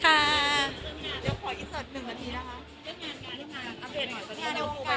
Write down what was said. ครับเดี๋ยวขออินเสิร์ฟ๑นาทีนะคะ